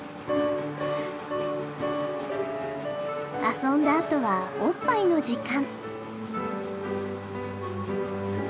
遊んだあとはおっぱいの時間。